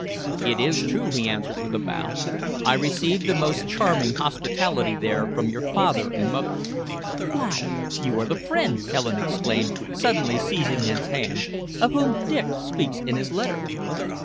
"It is true," he answered, with a bow. "I received the most charming hospitality there from your father and mother." "Why, you are the friend," Helen exclaimed, suddenly seizing his hands, "of whom Dick speaks in his letter!"